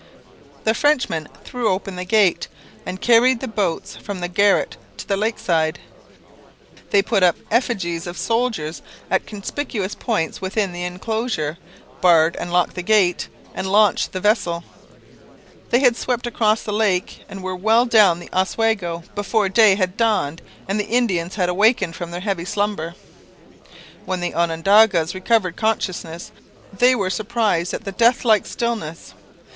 The Frenchmen threw open the gate, and carried the boats from the garret to the lakeside. They put up effigies of soldiers at conspicuous points within the enclosure, barred and locked the gate, and launched the vessels. They had swept across the lake and were well down the Oswego before day had dawned and the Indians had awakened from their heavy slumber. When the Onondagas recovered consciousness they were surprised at the deathlike stillness.